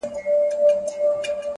ښاخ پر ښاخ پورته کېدى د هسک و لورته٫